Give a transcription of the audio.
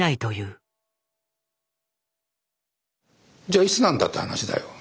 じゃあいつなんだって話だよ。